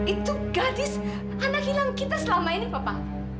itu gadis anak hilang kita selama ini papa